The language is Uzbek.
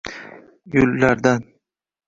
gullardan